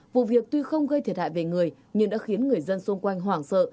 vụ việc tuy không gây thiệt hại về người nhưng đã khiến người dân xung quanh hoảng sợ